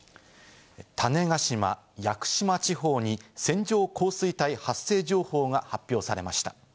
種子島・屋久島地方に線状降水帯発生情報が発表されました。